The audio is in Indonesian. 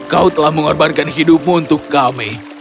kau telah mengorbankan hidupmu untuk kami